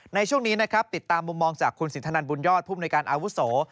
ในช่วงนี้นะครับติดตามมุมมองจากคุณสินทนันบุญยอดภูมิในการอาวุโส